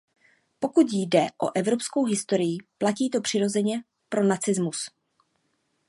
Pokud jde o evropskou historii, platí to přirozeně pro nacismus.